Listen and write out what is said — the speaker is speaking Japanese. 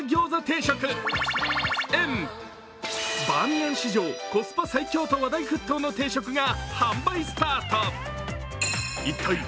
バーミヤン史上コスパ最強と話題沸騰の定食が販売スタート。